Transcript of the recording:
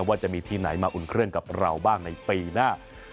ว่าจะมีทีมไหนมาอุ่นเครื่องกับเราบ้างในปีหน้า